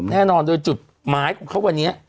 แน่นอนโดยจุดหมายของเขาวันนี้